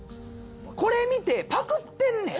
これ見てパクってんねん。